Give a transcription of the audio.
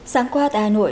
sáng qua tại hà nội